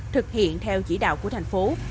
thực hiện theo chỉ đạo của thành phố